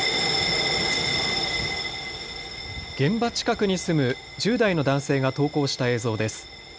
現場近くに住む１０代の男性が投稿した映像です。